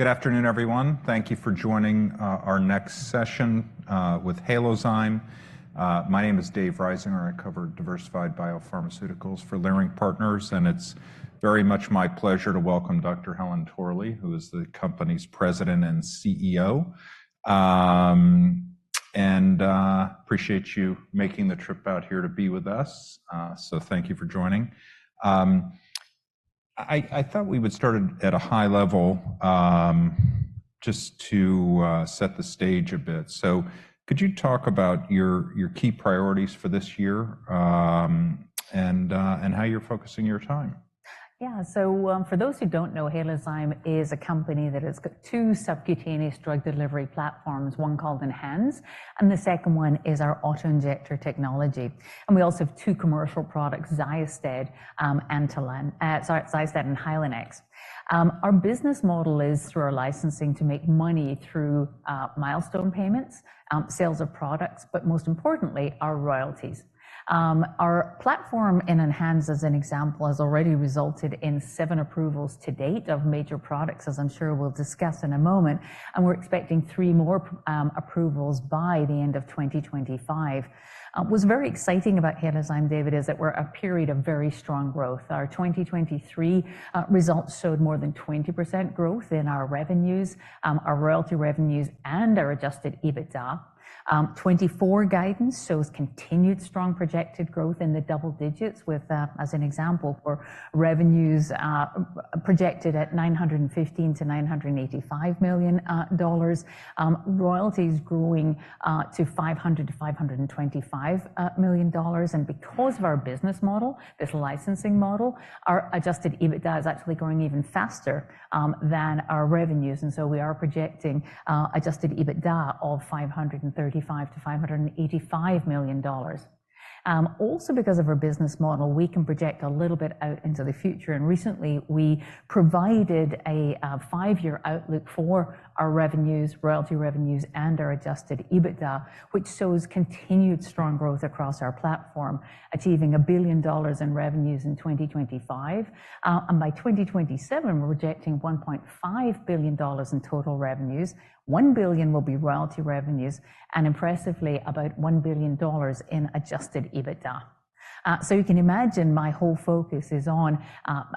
Good afternoon, everyone. Thank you for joining our next session with Halozyme. My name is Dave Risinger. I cover diversified biopharmaceuticals for Leerink Partners, and it's very much my pleasure to welcome Dr. Helen Torley, who is the company's President and CEO. And appreciate you making the trip out here to be with us, so thank you for joining. I thought we would start at a high level just to set the stage a bit. So could you talk about your key priorities for this year and how you're focusing your time? Yeah. So for those who don't know, Halozyme is a company that has two subcutaneous drug delivery platforms, one called ENHANZE and the second one is our autoinjector technology. And we also have two commercial products, XYOSTED and Hylenex. Our business model is, through our licensing, to make money through milestone payments, sales of products, but most importantly, our royalties. Our platform in ENHANZE, as an example, has already resulted in seven approvals to date of major products, as I'm sure we'll discuss in a moment, and we're expecting three more approvals by the end of 2025. What's very exciting about Halozyme, David, is that we're in a period of very strong growth. Our 2023 results showed more than 20% growth in our revenues, our royalty revenues, and our Adjusted EBITDA. 2024 guidance shows continued strong projected growth in the double digits, as an example, for revenues projected at $915 million-$985 million. Royalties growing to $500 million-$525 million. Because of our business model, this licensing model, our Adjusted EBITDA is actually growing even faster than our revenues, and so we are projecting Adjusted EBITDA of $535 million-$585 million. Also, because of our business model, we can project a little bit out into the future. Recently, we provided a five-year outlook for our revenues, royalty revenues, and our Adjusted EBITDA, which shows continued strong growth across our platform, achieving $1 billion in revenues in 2025. By 2027, we're projecting $1.5 billion in total revenues. $1 billion will be royalty revenues and, impressively, about $1 billion in Adjusted EBITDA. You can imagine my whole focus is on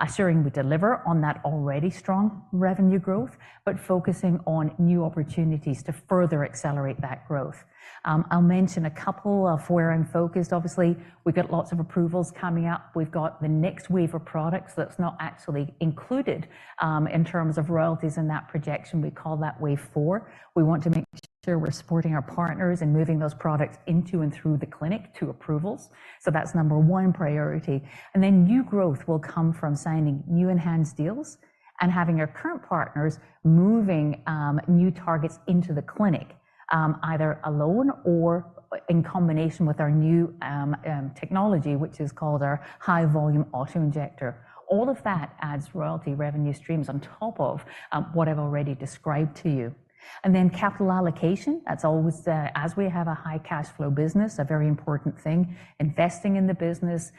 assuring we deliver on that already strong revenue growth, but focusing on new opportunities to further accelerate that growth. I'll mention a couple of where I'm focused. Obviously, we've got lots of approvals coming up. We've got the next wave of products that's not actually included in terms of royalties in that projection. We call that wave four. We want to make sure we're supporting our partners and moving those products into and through the clinic to approvals. So that's number one priority. And then new growth will come from signing new ENHANZE deals and having our current partners moving new targets into the clinic, either alone or in combination with our new technology, which is called our high-volume autoinjector. All of that adds royalty revenue streams on top of what I've already described to you. And then capital allocation. That's always, as we have a high cash flow business, a very important thing. Investing in the business,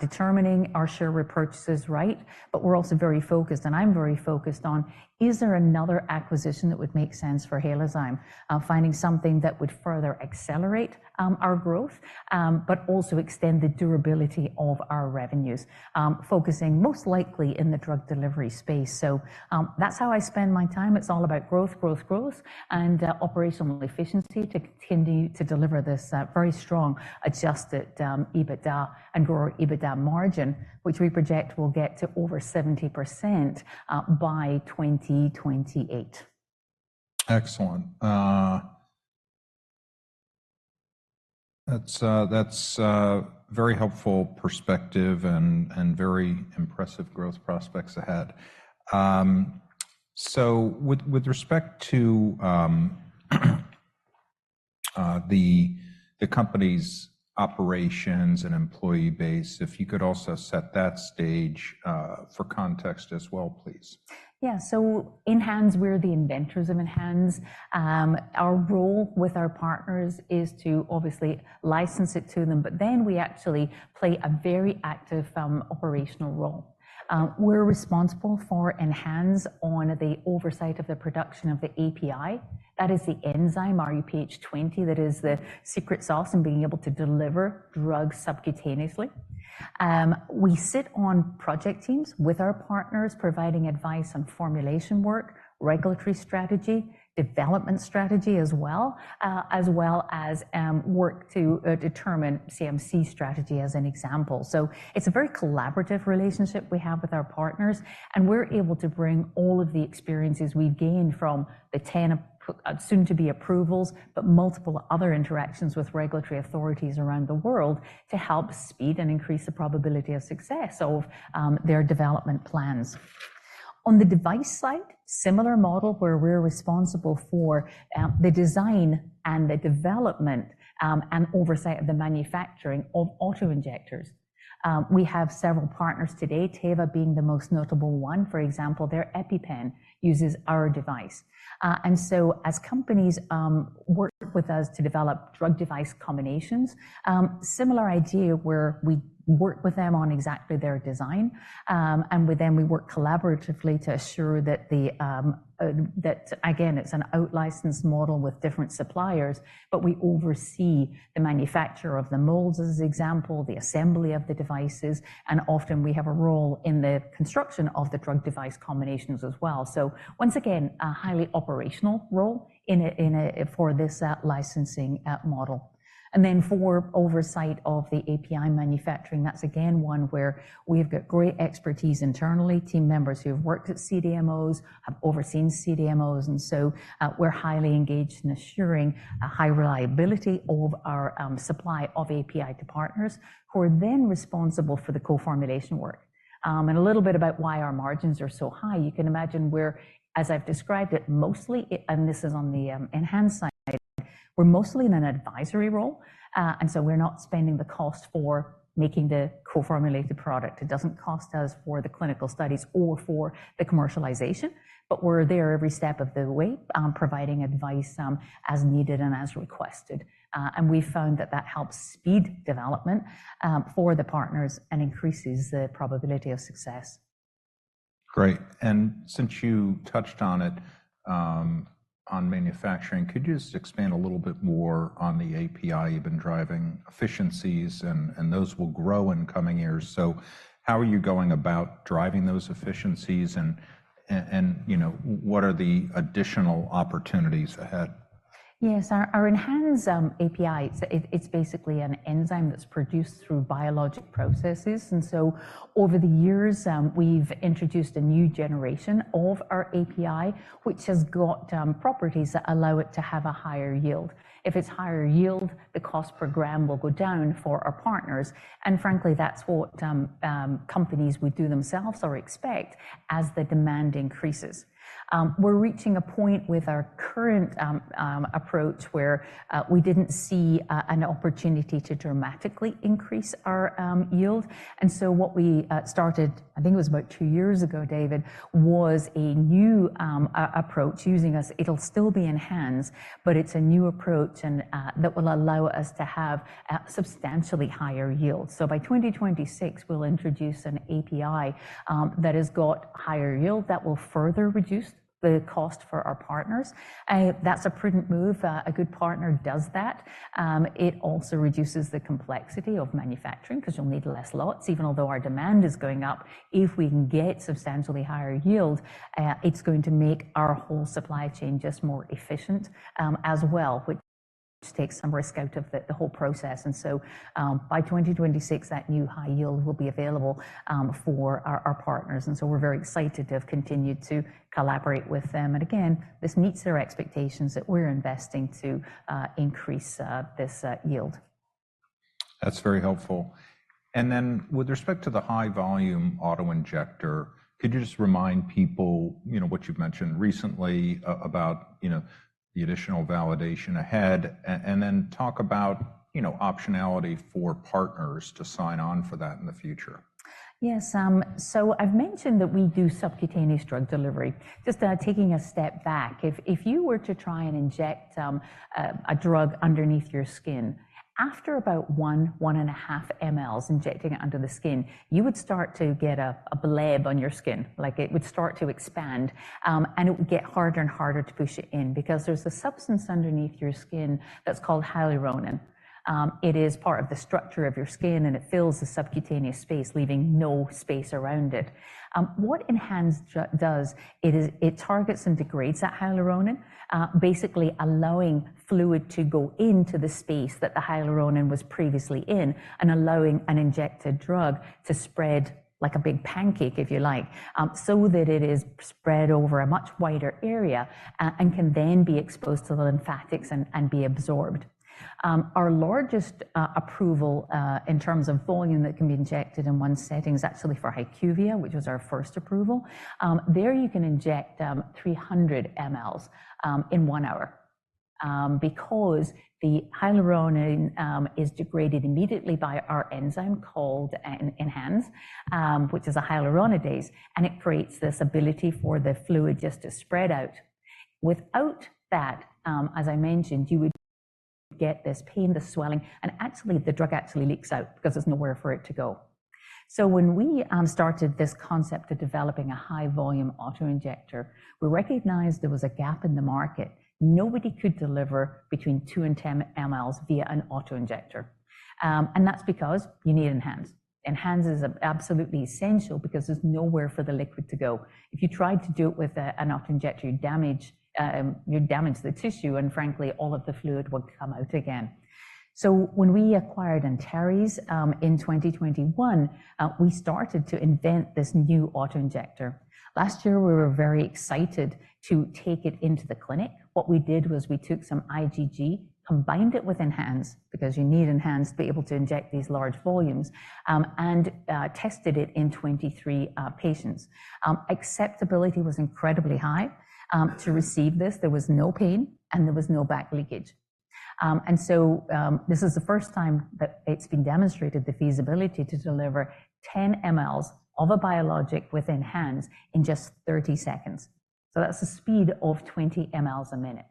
determining our share repurchases right. But we're also very focused, and I'm very focused on, is there another acquisition that would make sense for Halozyme? Finding something that would further accelerate our growth but also extend the durability of our revenues, focusing most likely in the drug delivery space. So that's how I spend my time. It's all about growth, growth, growth, and operational efficiency to continue to deliver this very strong Adjusted EBITDA and grow our EBITDA margin, which we project will get to over 70% by 2028. Excellent. That's a very helpful perspective and very impressive growth prospects ahead. So with respect to the company's operations and employee base, if you could also set that stage for context as well, please. Yeah. So ENHANZE, we're the inventors of ENHANZE. Our role with our partners is to obviously license it to them, but then we actually play a very active operational role. We're responsible for ENHANZE on the oversight of the production of the API. That is the enzyme, rHuPH20, that is the secret sauce in being able to deliver drugs subcutaneously. We sit on project teams with our partners, providing advice on formulation work, regulatory strategy, development strategy as well, as well as work to determine CMC strategy, as an example. So it's a very collaborative relationship we have with our partners, and we're able to bring all of the experiences we've gained from the 10 soon-to-be approvals but multiple other interactions with regulatory authorities around the world to help speed and increase the probability of success of their development plans. On the device side, similar model where we're responsible for the design and the development and oversight of the manufacturing of autoinjectors. We have several partners today, Teva being the most notable one. For example, their EpiPen uses our device. And so as companies work with us to develop drug-device combinations, similar idea where we work with them on exactly their design, and then we work collaboratively to assure that, again, it's an out-licensed model with different suppliers, but we oversee the manufacturing of the molds, as an example, the assembly of the devices, and often we have a role in the construction of the drug-device combinations as well. So once again, a highly operational role for this licensing model. And then for oversight of the API manufacturing, that's again one where we have got great expertise internally. Team members who have worked at CDMOs have overseen CDMOs, and so we're highly engaged in assuring high reliability of our supply of API to partners who are then responsible for the coformulation work. A little bit about why our margins are so high, you can imagine we're, as I've described it, mostly and this is on the ENHANZE side, we're mostly in an advisory role, and so we're not spending the cost for making the coformulated product. It doesn't cost us for the clinical studies or for the commercialization, but we're there every step of the way, providing advice as needed and as requested. And we found that that helps speed development for the partners and increases the probability of success. Great. Since you touched on it, on manufacturing, could you just expand a little bit more on the API efficiencies you've been driving, and those will grow in coming years. How are you going about driving those efficiencies, and what are the additional opportunities ahead? Yes. Our ENHANZE API, it's basically an enzyme that's produced through biologic processes. And so over the years, we've introduced a new generation of our API, which has got properties that allow it to have a higher yield. If it's higher yield, the cost per gram will go down for our partners. And frankly, that's what companies would do themselves or expect as the demand increases. We're reaching a point with our current approach where we didn't see an opportunity to dramatically increase our yield. And so what we started, I think it was about two years ago, David, was a new approach using us. It'll still be ENHANZE, but it's a new approach that will allow us to have substantially higher yield. So by 2026, we'll introduce an API that has got higher yield that will further reduce the cost for our partners. That's a prudent move. A good partner does that. It also reduces the complexity of manufacturing because you'll need less lots. Even though our demand is going up, if we can get substantially higher yield, it's going to make our whole supply chain just more efficient as well, which takes some risk out of the whole process. By 2026, that new high yield will be available for our partners. We're very excited to have continued to collaborate with them. Again, this meets their expectations that we're investing to increase this yield. That's very helpful. And then with respect to the high-volume autoinjector, could you just remind people what you've mentioned recently about the additional validation ahead and then talk about optionality for partners to sign on for that in the future? Yes. So I've mentioned that we do subcutaneous drug delivery. Just taking a step back, if you were to try and inject a drug underneath your skin, after about 1, 1.5 mL injecting it under the skin, you would start to get a bleb on your skin. It would start to expand, and it would get harder and harder to push it in because there's a substance underneath your skin that's called hyaluronin. It is part of the structure of your skin, and it fills the subcutaneous space, leaving no space around it. What ENHANZE does, it targets and degrades that hyaluronan, basically allowing fluid to go into the space that the hyaluronan was previously in and allowing an injected drug to spread like a big pancake, if you like, so that it is spread over a much wider area and can then be exposed to the lymphatics and be absorbed. Our largest approval in terms of volume that can be injected in one setting is actually for HyQvia, which was our first approval. There you can inject 300 mL in one hour because the hyaluronan is degraded immediately by our enzyme called ENHANZE, which is a hyaluronidase, and it creates this ability for the fluid just to spread out. Without that, as I mentioned, you would get this pain, this swelling, and actually, the drug actually leaks out because there's nowhere for it to go. So when we started this concept of developing a high-volume autoinjector, we recognized there was a gap in the market. Nobody could deliver between 2 and 10 mL via an autoinjector. And that's because you need ENHANZE. ENHANZE is absolutely essential because there's nowhere for the liquid to go. If you tried to do it with an autoinjector, you'd damage the tissue, and frankly, all of the fluid would come out again. So when we acquired Antares in 2021, we started to invent this new autoinjector. Last year, we were very excited to take it into the clinic. What we did was we took some IgG, combined it with ENHANZE because you need ENHANZE to be able to inject these large volumes, and tested it in 23 patients. Acceptability was incredibly high to receive this. There was no pain, and there was no back leakage. This is the first time that it's been demonstrated the feasibility to deliver 10 mL of a biologic with ENHANZE in just 30 seconds. That's a speed of 20 mL a minute.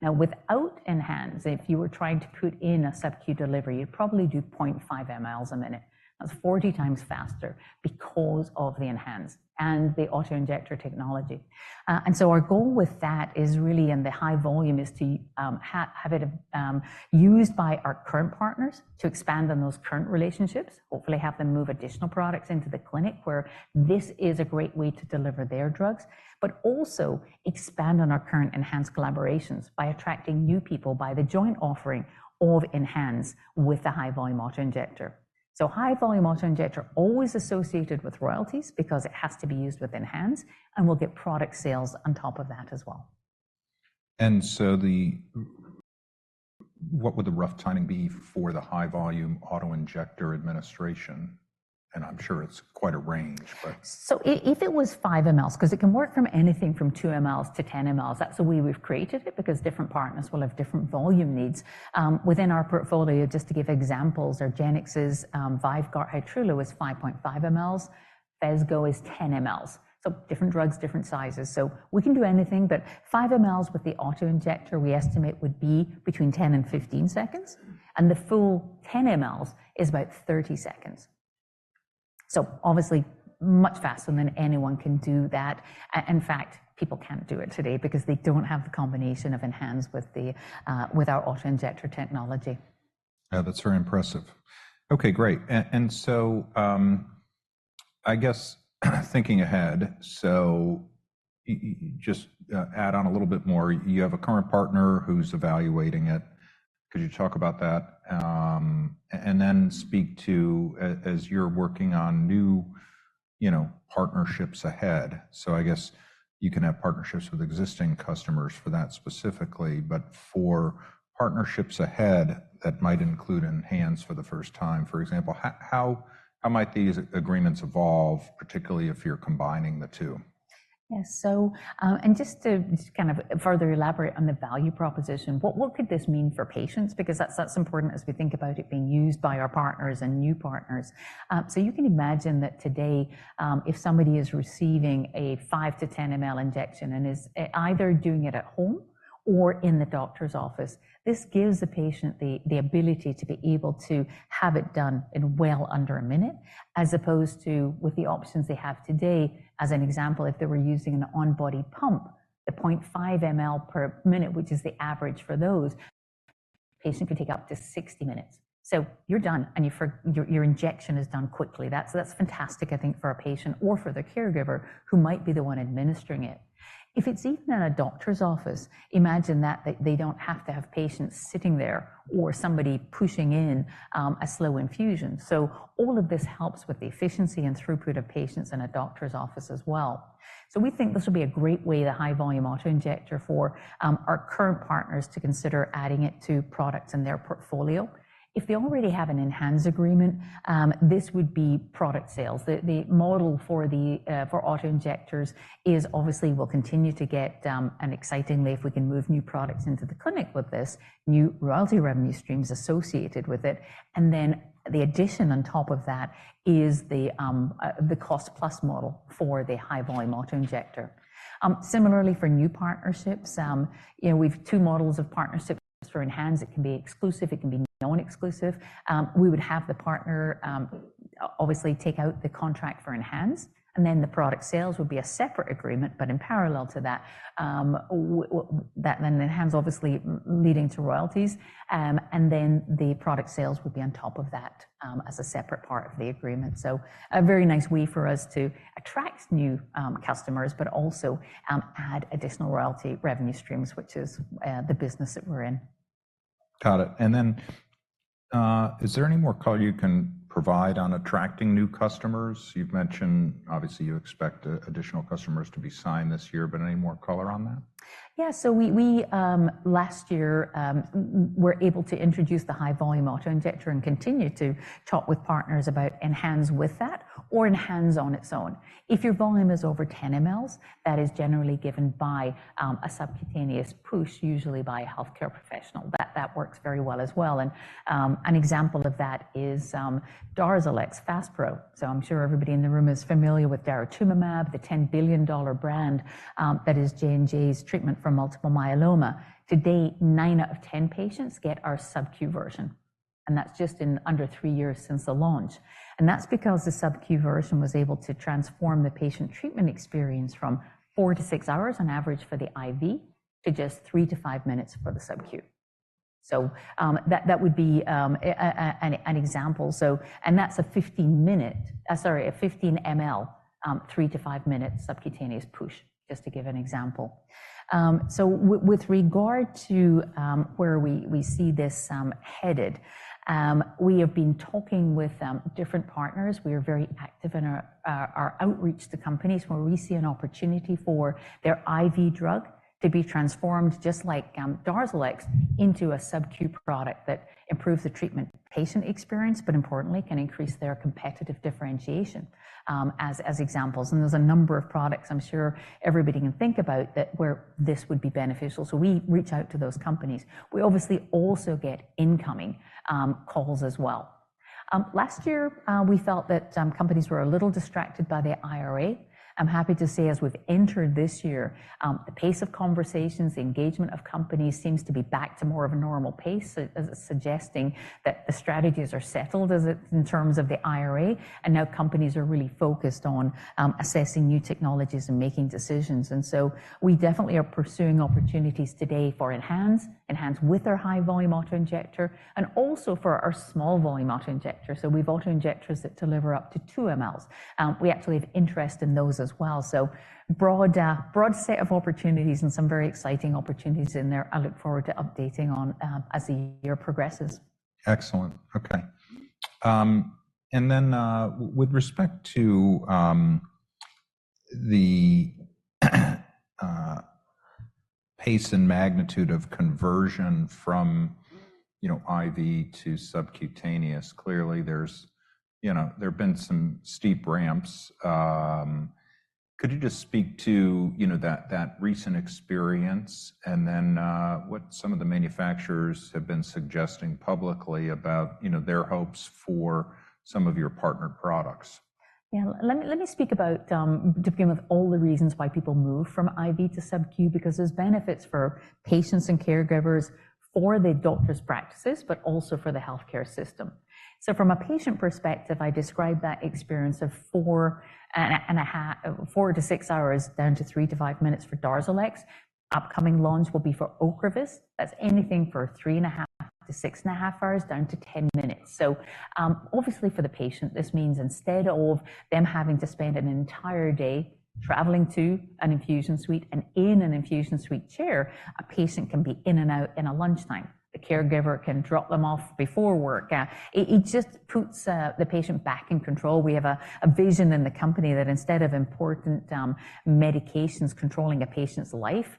Now, without ENHANZE, if you were trying to put in a SubQ delivery, you'd probably do 0.5 mL a minute. That's 40x faster because of the ENHANZE and the autoinjector technology. Our goal with that is really, and the high volume is to have it used by our current partners to expand on those current relationships, hopefully have them move additional products into the clinic where this is a great way to deliver their drugs, but also expand on our current ENHANZE collaborations by attracting new people by the joint offering of ENHANZE with the high-volume autoinjector. So high-volume autoinjector always associated with royalties because it has to be used with ENHANZE, and we'll get product sales on top of that as well. So what would the rough timing be for the high-volume autoinjector administration? And I'm sure it's quite a range, but. So if it was 5 mL because it can work from anything from 2 mL to 10 mL, that's the way we've created it because different partners will have different volume needs. Within our portfolio, just to give examples, our argenx's VYVGART Hytrulo is 5.5 mL. Phesgo is 10 mL. So different drugs, different sizes. So we can do anything, but 5 mL with the autoinjector, we estimate, would be between 10 and 15 seconds, and the full 10 mL is about 30 seconds. So obviously, much faster than anyone can do that. In fact, people can't do it today because they don't have the combination of ENHANZE with our autoinjector technology. Yeah, that's very impressive. Okay, great. And so I guess thinking ahead, so just add on a little bit more. You have a current partner who's evaluating it. Could you talk about that and then speak to, as you're working on new partnerships ahead? So I guess you can have partnerships with existing customers for that specifically, but for partnerships ahead, that might include ENHANZE for the first time. For example, how might these agreements evolve, particularly if you're combining the two? Yes. And just to kind of further elaborate on the value proposition, what could this mean for patients? Because that's important as we think about it being used by our partners and new partners. So you can imagine that today, if somebody is receiving a 5-10 mL injection and is either doing it at home or in the doctor's office, this gives the patient the ability to be able to have it done in well under a minute, as opposed to with the options they have today. As an example, if they were using an on-body pump, the 0.5 mL per minute, which is the average for those, a patient could take up to 60 minutes. So you're done, and your injection is done quickly. So that's fantastic, I think, for a patient or for the caregiver who might be the one administering it. If it's even in a doctor's office, imagine that they don't have to have patients sitting there or somebody pushing in a slow infusion. So all of this helps with the efficiency and throughput of patients in a doctor's office as well. So we think this will be a great way, the high-volume autoinjector, for our current partners to consider adding it to products in their portfolio. If they already have an ENHANZE agreement, this would be product sales. The model for autoinjectors is obviously we'll continue to get and excitingly, if we can move new products into the clinic with this, new royalty revenue streams associated with it. And then the addition on top of that is the cost-plus model for the high-volume autoinjector. Similarly, for new partnerships, we have two models of partnerships. For ENHANZE, it can be exclusive. It can be non-exclusive. We would have the partner obviously take out the contract for ENHANZE, and then the product sales would be a separate agreement. But in parallel to that, then ENHANZE obviously leading to royalties, and then the product sales would be on top of that as a separate part of the agreement. So a very nice way for us to attract new customers but also add additional royalty revenue streams, which is the business that we're in. Got it. Then is there any more color you can provide on attracting new customers? You've mentioned, obviously, you expect additional customers to be signed this year. Any more color on that? Yes. So last year, we're able to introduce the high-volume autoinjector and continue to talk with partners about ENHANZE with that or ENHANZE on its own. If your volume is over 10 mL, that is generally given by a subcutaneous push, usually by a healthcare professional. That works very well as well. An example of that is DARZALEX FASPRO. So I'm sure everybody in the room is familiar with daratumumab, the $10 billion brand that is J&J's treatment for multiple myeloma. Today, nine out of 10 patients get our SubQ version, and that's just in under three years since the launch. That's because the SubQ version was able to transform the patient treatment experience from 4-6 hours on average for the IV to just 3-5 minutes for the SubQ. So that would be an example. That's a 50-minute sorry, a 15 mL, 3-5 minutes subcutaneous push, just to give an example. With regard to where we see this headed, we have been talking with different partners. We are very active in our outreach to companies where we see an opportunity for their IV drug to be transformed, just like DARZALEX, into a SubQ product that improves the treatment patient experience but importantly, can increase their competitive differentiation as examples. There's a number of products, I'm sure everybody can think about, where this would be beneficial. We reach out to those companies. We obviously also get incoming calls as well. Last year, we felt that companies were a little distracted by their IRA. I'm happy to say, as we've entered this year, the pace of conversations, the engagement of companies seems to be back to more of a normal pace, suggesting that the strategies are settled in terms of the IRA, and now companies are really focused on assessing new technologies and making decisions. And so we definitely are pursuing opportunities today for ENHANZE, ENHANZE with our high-volume autoinjector, and also for our small-volume autoinjector. So we have autoinjectors that deliver up to 2 mL. We actually have interest in those as well. So broad set of opportunities and some very exciting opportunities in there. I look forward to updating on as the year progresses. Excellent. Okay. And then with respect to the pace and magnitude of conversion from IV to subcutaneous, clearly, there have been some steep ramps. Could you just speak to that recent experience and then what some of the manufacturers have been suggesting publicly about their hopes for some of your partner products? Yeah. Let me speak about, to begin with, all the reasons why people move from IV to SubQ because there's benefits for patients and caregivers for the doctor's practices but also for the healthcare system. So from a patient perspective, I describe that experience of 4.5, 4-6 hours down to 3-5 minutes for DARZALEX. Upcoming launch will be for Ocrevus. That's anything from 3.5-6.5 hours down to 10 minutes. So obviously, for the patient, this means instead of them having to spend an entire day traveling to an infusion suite and in an infusion suite chair, a patient can be in and out in a lunchtime. The caregiver can drop them off before work. It just puts the patient back in control. We have a vision in the company that instead of important medications controlling a patient's life,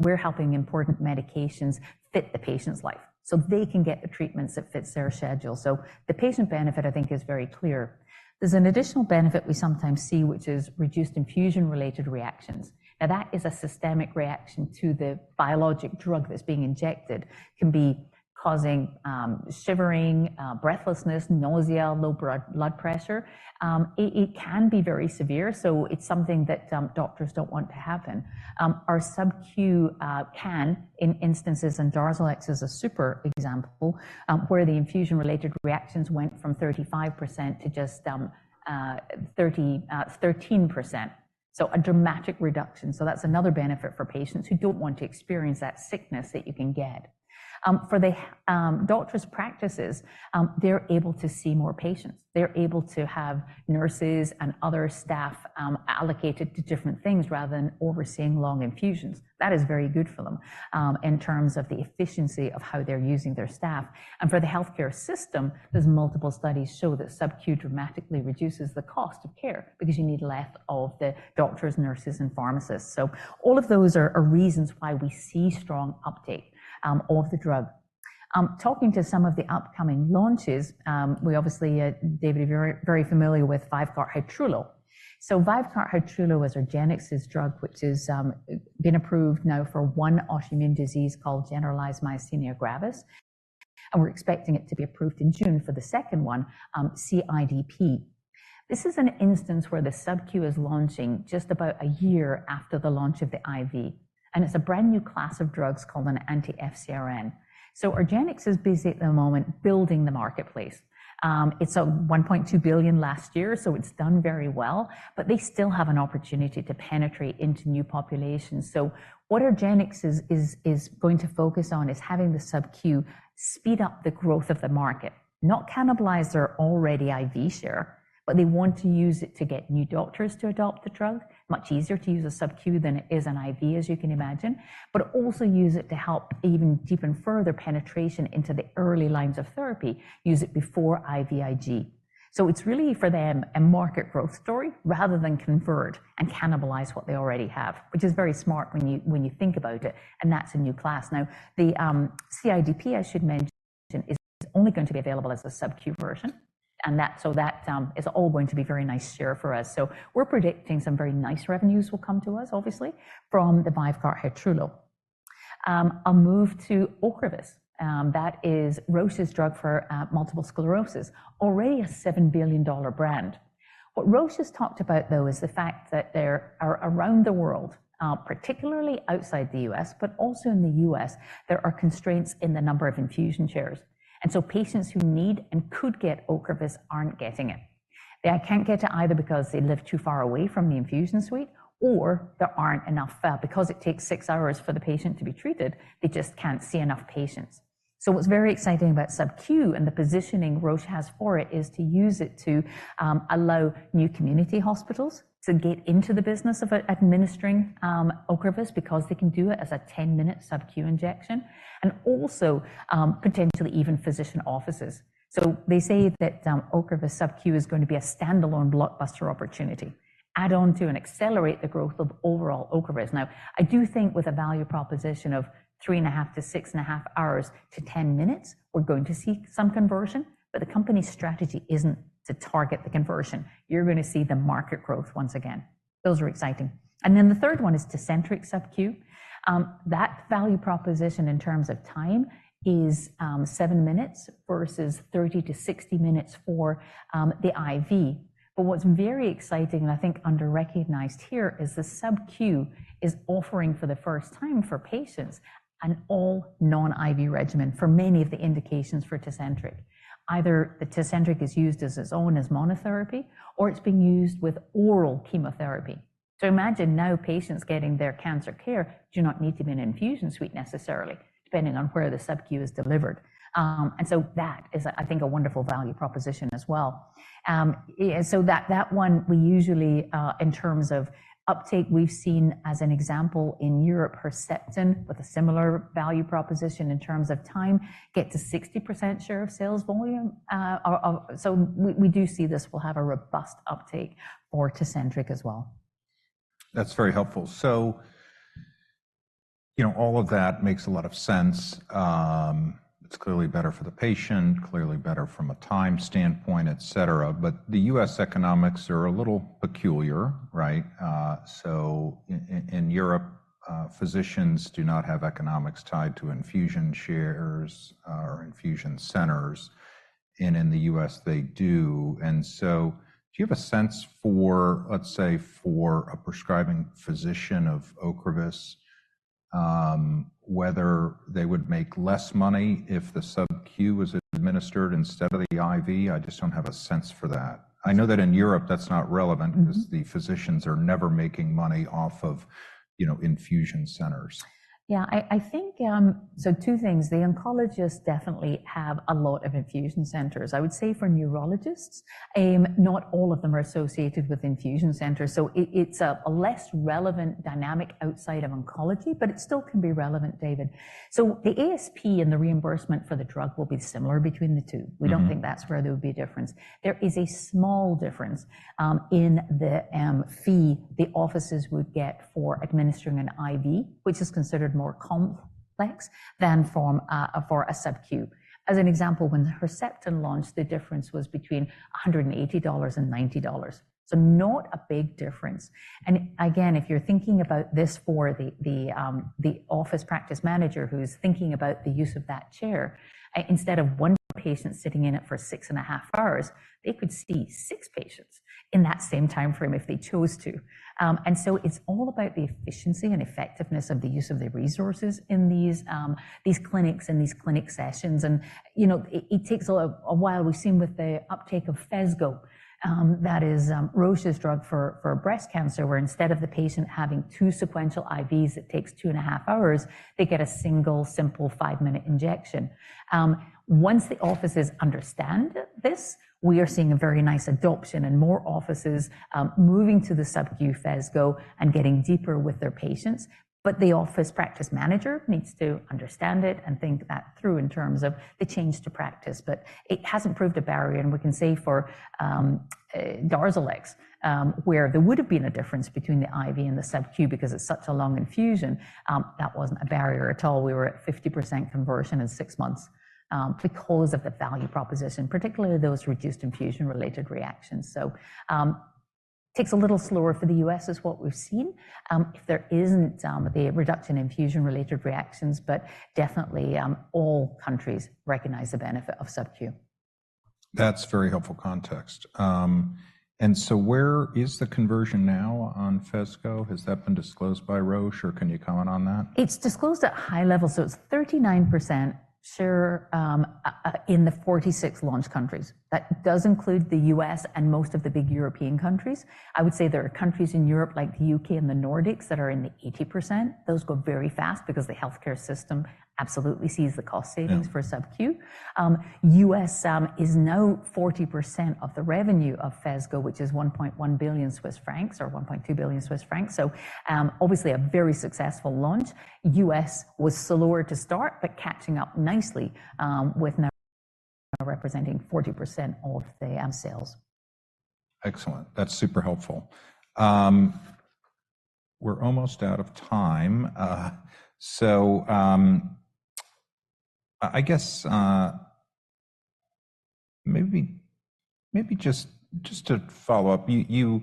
we're helping important medications fit the patient's life so they can get the treatments that fit their schedule. So the patient benefit, I think, is very clear. There's an additional benefit we sometimes see, which is reduced infusion-related reactions. Now, that is a systemic reaction to the biologic drug that's being injected, can be causing shivering, breathlessness, nausea, low blood pressure. It can be very severe, so it's something that doctors don't want to happen. Our SubQ can, in instances, and DARZALEX is a super example where the infusion-related reactions went from 35%-just 13%, so a dramatic reduction. So that's another benefit for patients who don't want to experience that sickness that you can get. For the doctor's practices, they're able to see more patients. They're able to have nurses and other staff allocated to different things rather than overseeing long infusions. That is very good for them in terms of the efficiency of how they're using their staff. For the healthcare system, there's multiple studies show that SubQ dramatically reduces the cost of care because you need less of the doctors, nurses, and pharmacists. So all of those are reasons why we see strong uptake of the drug. Talking to some of the upcoming launches, we obviously, David, are very familiar with VYVGART Hytrulo. So VYVGART Hytrulo is our argenx's drug, which has been approved now for one autoimmune disease called generalized myasthenia gravis. And we're expecting it to be approved in June for the second one, CIDP. This is an instance where the SubQ is launching just about a year after the launch of the IV, and it's a brand new class of drugs called an anti-FcRn. So our argenx is busy at the moment building the marketplace. It's at $1.2 billion last year, so it's done very well, but they still have an opportunity to penetrate into new populations. So what our argenx is going to focus on is having the SubQ speed up the growth of the market, not cannibalize their already IV share, but they want to use it to get new doctors to adopt the drug. Much easier to use a SubQ than it is an IV, as you can imagine, but also use it to help even deepen further penetration into the early lines of therapy, use it before IVIG. So it's really for them a market growth story rather than convert and cannibalize what they already have, which is very smart when you think about it, and that's a new class. Now, the CIDP, I should mention, is only going to be available as a SubQ version, and so that is all going to be very nice share for us. So we're predicting some very nice revenues will come to us, obviously, from the VYVGART Hytrulo. I'll move to Ocrevus. That is Roche's drug for multiple sclerosis, already a $7 billion brand. What Roche has talked about, though, is the fact that there are around the world, particularly outside the U.S., but also in the U.S., there are constraints in the number of infusion chairs. And so patients who need and could get Ocrevus aren't getting it. They can't get it either because they live too far away from the infusion suite or there aren't enough because it takes six hours for the patient to be treated. They just can't see enough patients. So what's very exciting about SubQ and the positioning Roche has for it is to use it to allow new community hospitals to get into the business of administering Ocrevus because they can do it as a 10-minute SubQ injection and also potentially even physician offices. So they say that Ocrevus SubQ is going to be a standalone blockbuster opportunity, add on to and accelerate the growth of overall Ocrevus. Now, I do think with a value proposition of 3.5-6.5 hours to 10 minutes, we're going to see some conversion, but the company's strategy isn't to target the conversion. You're going to see the market growth once again. Those are exciting. And then the third one is Tecentriq SubQ. That value proposition in terms of time is seven minutes versus 30-60 minutes for the IV. But what's very exciting, and I think underrecognized here, is the SubQ is offering for the first time for patients an all-non-IV regimen for many of the indications for Tecentriq. Either the Tecentriq is used as its own as monotherapy or it's being used with oral chemotherapy. So imagine now patients getting their cancer care do not need to be in an infusion suite necessarily, depending on where the SubQ is delivered. And so that is, I think, a wonderful value proposition as well. So that one, we usually, in terms of uptake, we've seen as an example in Europe, Herceptin with a similar value proposition in terms of time get to 60% share of sales volume. So we do see this will have a robust uptake for Tecentriq as well. That's very helpful. So all of that makes a lot of sense. It's clearly better for the patient, clearly better from a time standpoint, etc. But the U.S. economics are a little peculiar, right? So in Europe, physicians do not have economics tied to infusion shares or infusion centers, and in the U.S., they do. And so do you have a sense for, let's say, for a prescribing physician of Ocrevus whether they would make less money if the SubQ was administered instead of the IV? I just don't have a sense for that. I know that in Europe, that's not relevant because the physicians are never making money off of infusion centers. Yeah. So two things. The oncologists definitely have a lot of infusion centers. I would say for neurologists, not all of them are associated with infusion centers. So it's a less relevant dynamic outside of oncology, but it still can be relevant, David. So the ASP and the reimbursement for the drug will be similar between the two. We don't think that's where there would be a difference. There is a small difference in the fee the offices would get for administering an IV, which is considered more complex than for a SubQ. As an example, when Herceptin launched, the difference was between $180 and $90. So not a big difference. And again, if you're thinking about this for the office practice manager who's thinking about the use of that chair, instead of 1 patient sitting in it for 6.5 hours, they could see six patients in that same time frame if they chose to. And so it's all about the efficiency and effectiveness of the use of the resources in these clinics and these clinic sessions. And it takes a while. We've seen with the uptake of Phesgo, that is Roche's drug for breast cancer, where instead of the patient having two sequential IVs, it takes 2.5 hours, they get a single, simple five-minute injection. Once the offices understand this, we are seeing a very nice adoption and more offices moving to the SubQ Phesgo and getting deeper with their patients. But the office practice manager needs to understand it and think that through in terms of the change to practice. But it hasn't proved a barrier. And we can say for DARZALEX, where there would have been a difference between the IV and the SubQ because it's such a long infusion, that wasn't a barrier at all. We were at 50% conversion in six months because of the value proposition, particularly those reduced infusion-related reactions. So it takes a little slower for the U.S. is what we've seen if there isn't the reduction in infusion-related reactions. But definitely, all countries recognize the benefit of SubQ. That's very helpful context. And so where is the conversion now on Phesgo? Has that been disclosed by Roche, or can you comment on that? It's disclosed at high level. So it's 39% share in the 46 launch countries. That does include the U.S. and most of the big European countries. I would say there are countries in Europe like the U.K. and the Nordics that are in the 80%. Those go very fast because the healthcare system absolutely sees the cost savings for SubQ. U.S. is now 40% of the revenue of PHESGO, which is 1.1 billion Swiss francs or 1.2 billion Swiss francs. So obviously, a very successful launch. U.S. was slower to start but catching up nicely with now representing 40% of the sales. Excellent. That's super helpful. We're almost out of time. So I guess maybe just to follow up, you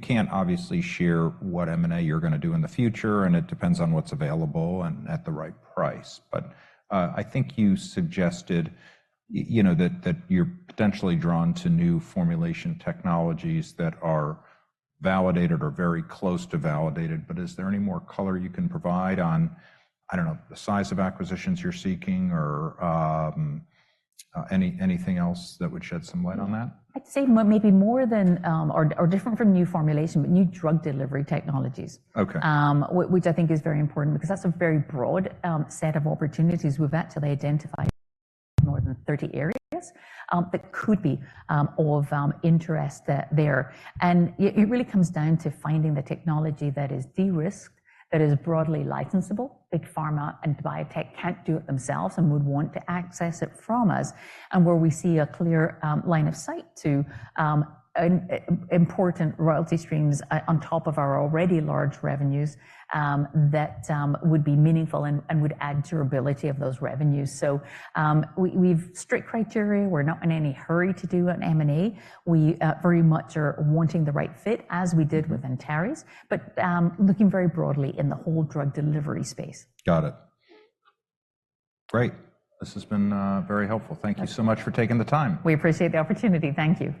can't obviously share what M&A you're going to do in the future, and it depends on what's available and at the right price. But I think you suggested that you're potentially drawn to new formulation technologies that are validated or very close to validated. But is there any more color you can provide on, I don't know, the size of acquisitions you're seeking or anything else that would shed some light on that? I'd say maybe more than or different from new formulation, but new drug delivery technologies, which I think is very important because that's a very broad set of opportunities. We've actually identified more than 30 areas that could be of interest there. It really comes down to finding the technology that is de-risked, that is broadly licensable. Big pharma and biotech can't do it themselves and would want to access it from us, and where we see a clear line of sight to important royalty streams on top of our already large revenues that would be meaningful and would add durability of those revenues. So we have strict criteria. We're not in any hurry to do an M&A. We very much are wanting the right fit as we did with Antares, but looking very broadly in the whole drug delivery space. Got it. Great. This has been very helpful. Thank you so much for taking the time. We appreciate the opportunity. Thank you.